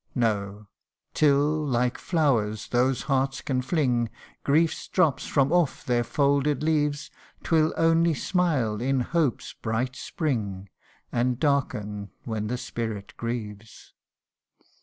No ! till, like flowers, those hearts can fling Griefs drops from off their folded leaves, 'Twill only smile in hope's bright spring, And darken when the spirit grieves.'